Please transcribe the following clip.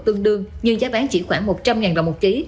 tương đương nhưng giá bán chỉ khoảng một trăm linh đồng một ký